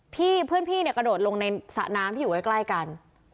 พี่พี่กระโดดลงในสระน้ำอยู่ไกลกัน